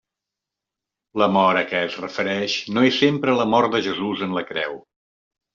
La mort a què es refereix no és sempre la mort de Jesús en la creu.